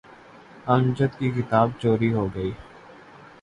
امجد کی کتاب چوری ہو گئی۔